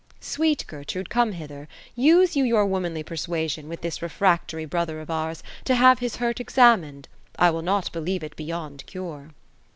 " Sweet Gertrude, come hither ; use you your womanly persuasion, with this refractory brother of ours, to have His hurt examined. I will not believe it beyond cure."